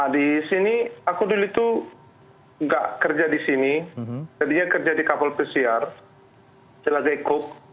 di sini aku dulu itu nggak kerja di sini tadinya kerja di kapol presiar jelazekuk